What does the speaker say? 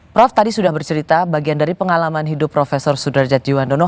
prof tadi sudah bercerita bagian dari pengalaman hidup prof sudrajat jiwandono